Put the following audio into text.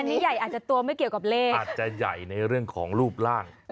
อันนี้ใหญ่อาจจะตัวไม่เกี่ยวกับเลขอาจจะใหญ่ในเรื่องของรูปร่าง